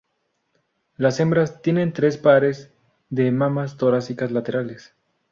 Las hembras tienen tres pares de mamas torácicas laterales.